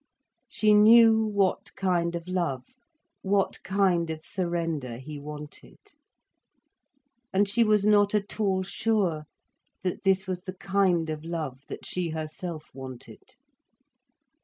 She knew what kind of love, what kind of surrender he wanted. And she was not at all sure that this was the kind of love that she herself wanted.